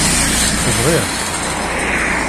BƔiƔ-k.